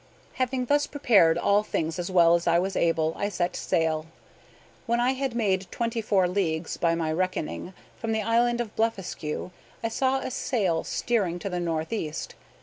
Having thus prepared all things as well as I was able, I set sail. When I had made twenty four leagues, by my reckoning, from the island of Blefuscu, I saw a sail steering to the northeast.